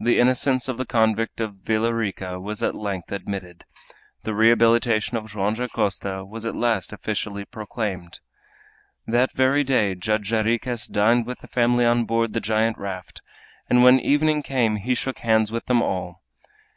The innocence of the convict of Villa Rica was at length admitted. The rehabilitation of Joam Dacosta was at last officially proclaimed. That very day Judge Jarriquez dined with the family on board the giant raft, and when evening came he shook hands with them all.